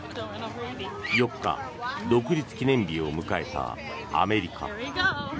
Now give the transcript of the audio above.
４日、独立記念日を迎えたアメリカ。